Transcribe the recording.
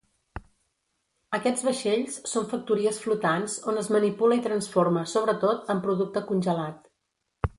Aquests vaixells són factories flotants, on es manipula i transforma, sobretot, en producte congelat.